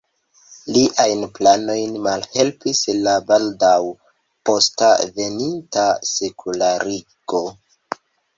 Liajn planojn malhelpis la baldaŭ posta veninta sekularigo.